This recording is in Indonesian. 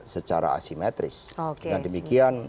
secara asimetris dan demikian